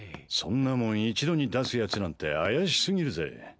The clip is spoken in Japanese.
そんなもん一度に出すヤツなんて怪し過ぎるぜ。